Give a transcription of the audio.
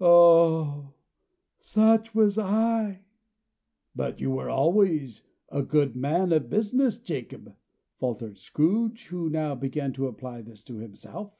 Oh! such was I!" "But you were always a good man of business, Jacob," faltered Scrooge, who now began to apply this to himself.